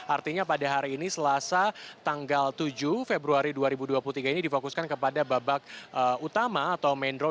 artinya pada hari ini selasa tanggal tujuh februari dua ribu dua puluh tiga ini difokuskan kepada babak utama atau main drone